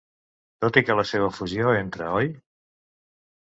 Tot i que la seva fusió entre Oi!